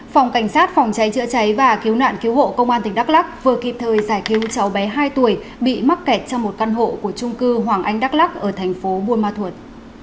phòng cảnh sát phòng cháy chữa cháy và cứu nạn cứu hộ công an tỉnh đắk lắc vừa kịp thời giải cứu cháu bé hai tuổi bị mắc kẹt trong một căn hộ của trung cư hoàng anh đắk lắc ở thành phố buôn ma thuột